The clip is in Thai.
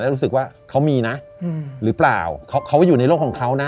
แล้วรู้สึกว่าเขามีนะหรือเปล่าเขาอยู่ในโลกของเขานะ